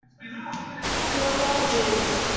You are wrong, Jeeves.